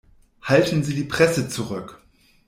Halten Sie die Presse zurück!